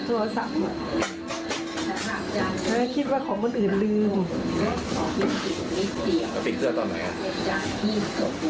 โทรศัพท์แล้วคิดว่าของคนอื่นลืมแล้วปิดเครื่องตอนไหนอ่ะ